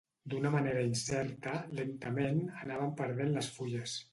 D’una manera incerta, lentament, anaven perdent les fulles.